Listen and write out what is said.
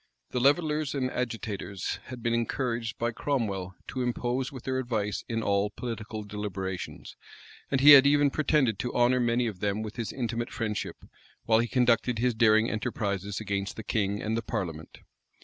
The levellers and agitators had been encouraged by Cromwell to interpose with their advice in all political deliberations; and he had even pretended to honor many of them with his intimate friendship, while he conducted his daring enterprises against the king and the parliament.